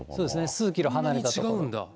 数キロ離れた所。